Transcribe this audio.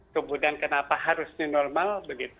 kemudian kenapa harus new normal